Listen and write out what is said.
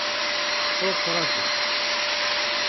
Ur ttṛaju!